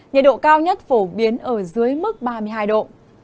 nhiệt độ cao nhất phổ biến ở dưới mức ba mươi hai độ